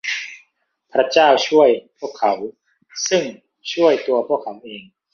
พระเจ้าช่วยพวกเขา ซึ่งช่วยตัวพวกเขาเอง